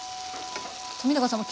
冨永さん